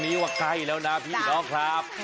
ว่าใกล้แล้วนะพี่น้องครับ